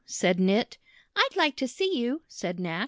said Knit. "I'd Hke to see you!" said Kanck.